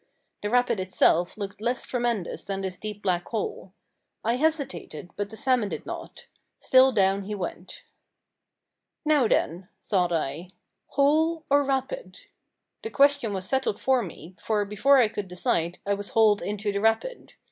The rapid itself looked less tremendous than this deep black hole. I hesitated, but the salmon did not. Still down he went. "Now, then," thought I, "hole or rapid?" The question was settled for me, for before I could decide, I was hauled into the rapid.